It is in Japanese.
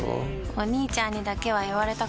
お兄ちゃんにだけは言われたくないし。